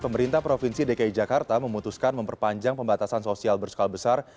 pemerintah provinsi dki jakarta memutuskan memperpanjang pembatasan sosial berskala besar